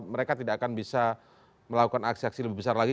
mereka tidak akan bisa melakukan aksi aksi lebih besar lagi